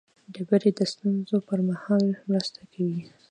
ډبرې د ستونزو پر مهال مرسته کوي.